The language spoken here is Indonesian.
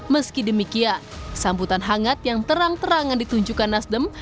meski demikian sambutan hangat yang terang terangan ditunjukkan nasdem